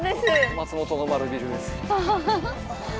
松本の丸ビルです。